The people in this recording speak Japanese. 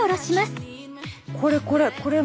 これこれ。